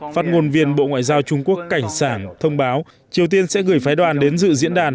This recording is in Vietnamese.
phát ngôn viên bộ ngoại giao trung quốc cảnh sảng thông báo triều tiên sẽ gửi phái đoàn đến dự diễn đàn